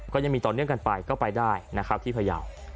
ก็ยังมีต่อเนื่องกันไปก็ไปได้นะครับที่พยาว